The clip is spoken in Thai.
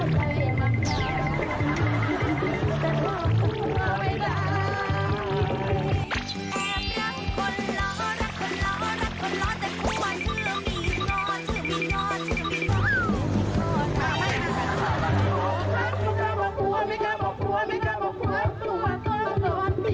ไม่กล้าบอกกลัวไม่กล้าบอกกลัวไม่กล้าบอกว่า